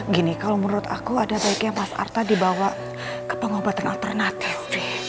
gini kalau menurut aku ada baiknya mas arta dibawa ke pengobatan alternatif